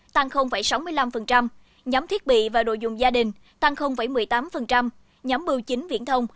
tăng sáu mươi năm nhóm thiết bị và đồ dùng gia đình tăng một mươi tám nhóm bưu chính viễn thông